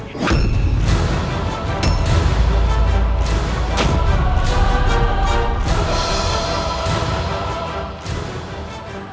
menyusul kian santang